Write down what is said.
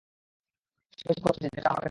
সেই পয়সার খরচ করছি, যেটা আমার কাছে নেই।